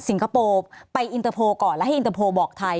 คโปร์ไปอินเตอร์โพลก่อนแล้วให้อินเตอร์โพลบอกไทย